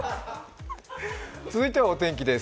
続いてはお天気です。